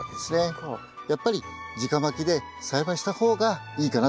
やっぱりじかまきで栽培した方がいいかなとは思いますけどね。